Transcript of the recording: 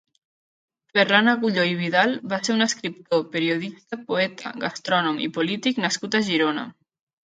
Ferran Agulló i Vidal va ser un escriptor, periodista, poeta, gastrònom i polític nascut a Girona.